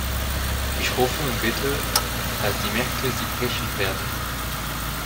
Ich hoffe und bete, dass die Märkte Sie brechen werden.